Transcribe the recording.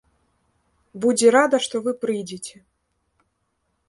Будзе рада, што вы прыйдзеце.